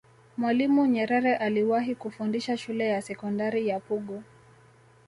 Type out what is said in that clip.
mwalimu nyerere aliwahi kufundisha shule ya sekondari ya pugu